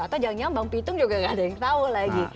atau jangan jangan bang pitung juga gak ada yang tahu lagi